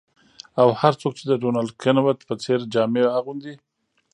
او هر څوک چې د ډونالډ کنوت په څیر جامې اغوندي